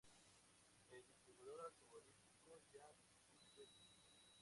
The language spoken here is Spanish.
El distribuidor automovilístico Jack Mitchell, Inc.